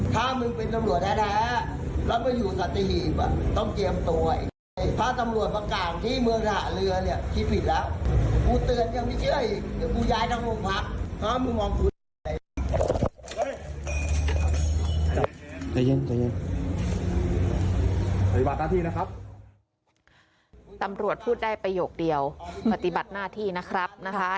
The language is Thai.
ตำรวจพูดได้ประโยคเดียวปฏิบัติหน้าที่นะครับนะคะ